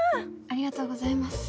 ありがとうございます。